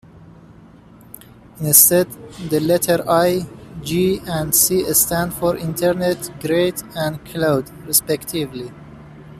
Instead, the letters "i", "g" and "c" stand for "internet", "grid" and "cloud" respectively.